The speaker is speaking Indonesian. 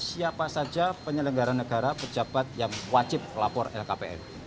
siapa saja penyelenggara negara pejabat yang wajib lapor lhkpn